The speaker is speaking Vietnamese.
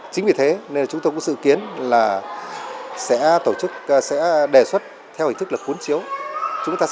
chính vì thế nên chúng tôi cũng sự kiến là sẽ tổ chức sẽ đề xuất theo hình thức lực cuốn chiếu